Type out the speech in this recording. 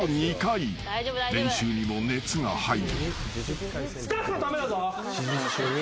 ［練習にも熱が入る］